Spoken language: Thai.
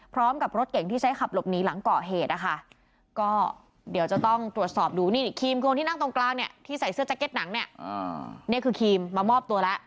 พร้อมกับรถเก่งที่ใช้ขับหลบนี้หลังเกาะเหตุนะคะ